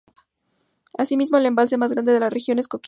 Es asimismo el embalse más grande de la Región de Coquimbo.